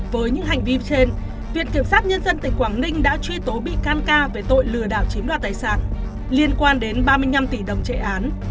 với những hành vi trên viện kiểm sát nhân dân tỉnh quảng ninh đã truy tố bị can ca về tội lừa đảo chiếm đoạt tài sản liên quan đến ba mươi năm tỷ đồng chạy án